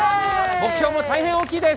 目標も大変大きいです。